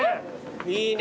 いいね。